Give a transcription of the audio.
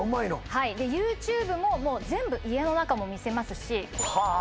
はいでＹｏｕＴｕｂｅももう全部家の中も見せますしはあ